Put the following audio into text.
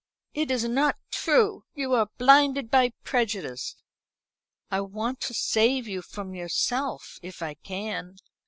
"It is not true. You are blinded by prejudice." "I want to save you from yourself, if I can."